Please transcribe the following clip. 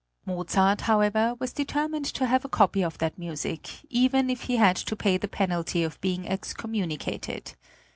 Mozart, however, was determined to have a copy of that music, even if he had to pay the penalty of being excommunicated.